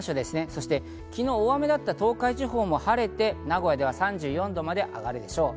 そして、昨日大雨だった東海地方も晴れて、名古屋では３４度まで上がるでしょう。